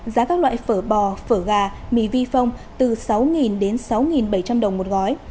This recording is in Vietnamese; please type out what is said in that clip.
giá các loại phở bò phở gà mì vi phong từ sáu đến sáu bảy trăm linh đồng một gói